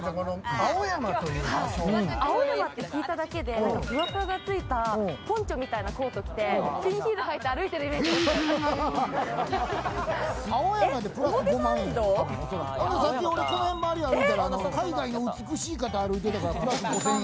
青山って聞いただけで、ふわふわがついたポンチョみたいなコート着て、ピンヒール履いて歩いてるイ青山で＋５万円。